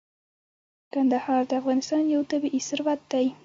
کندهار د افغانستان یو طبعي ثروت دی.